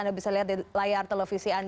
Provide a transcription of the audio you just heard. anda bisa lihat di layar telepon